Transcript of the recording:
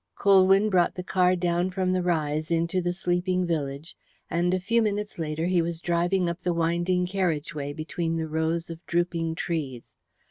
Colwyn brought the car down from the rise into the sleeping village, and a few minutes later he was driving up the winding carriage way between the rows of drooping trees.